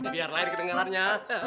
biar lain kedengarannya